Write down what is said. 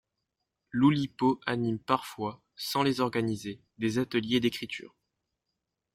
L'Oulipo anime parfois, sans les organiser, des ateliers d'écriture.